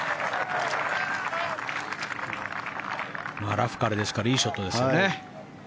ラフからですからいいショットですよね。